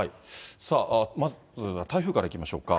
さあ、まずは台風からいきましょうか。